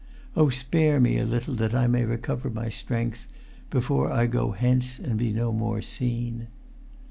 "Oh spare me a little that I may recover my strength: before I go hence, and be no more seen